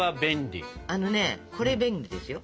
あのねこれ便利ですよ